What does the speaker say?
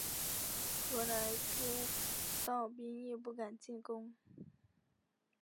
河南诸道兵亦不敢进攻。